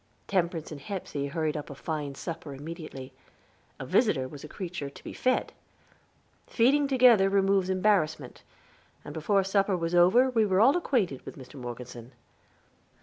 Temperance and Hepsey hurried up a fine supper immediately. A visitor was a creature to be fed. Feeding together removes embarrassment, and before supper was over we were all acquainted with Mr. Morgeson.